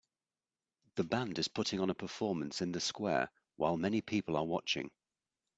The band is putting on a performance in the square while many people are watching.